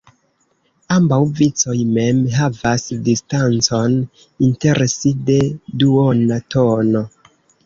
Ambaŭ vicoj mem havas distancon inter si de duona tono.